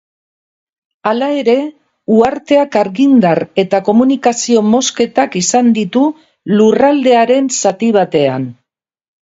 Hala ere, uharteak argindar eta komunikazio mozketak izan ditu lurraldearen zati batean.